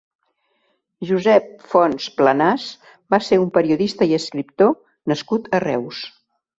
Josep Fonts Planàs va ser un periodista i escriptor nascut a Reus.